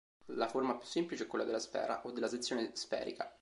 La forma più semplice è quella della sfera o della sezione sferica.